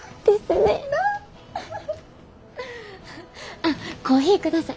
あっコーヒーください。